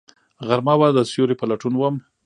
غرمه وه، د سیوری په لټون وم